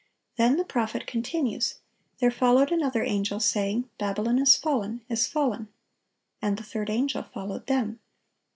Then the prophet continues: "There followed another angel, saying, Babylon is fallen, is fallen, ... and the third angel followed them."